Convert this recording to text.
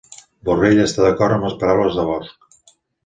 Borrell està d'acord amb les paraules de Bosch